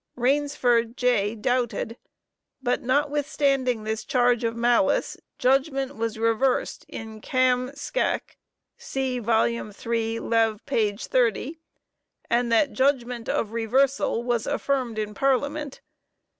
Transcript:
Rainsford, J., doubted. But notwithstanding this charge of malice, judgment was reversed in Cam scacc (vide 3 Lev. 30) and that judgment of reversal was affirmed in Parliament.